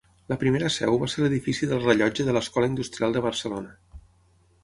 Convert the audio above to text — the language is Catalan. La primera seu va ser a l'Edifici del Rellotge de l'Escola Industrial de Barcelona.